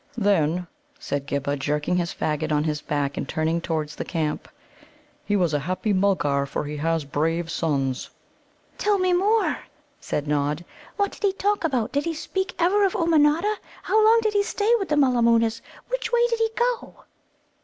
"Then," said Ghibba, jerking his faggot on to his back, and turning towards the camp, "he was a happy Mulgar, for he has brave sons." "Tell me more," said Nod. "What did he talk about? Did he speak ever of Ummanodda? How long did he stay with the Mulla moonas? Which way did he go?"